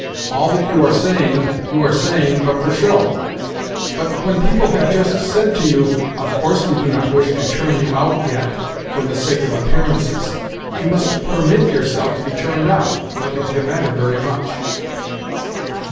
All that you are saying you are saying but for show; but, when people have just said to you, 'Of course we do not wish to turn you out, yet, for the sake of appearance's, you must permit yourself to be turned out,' nothing can matter very much."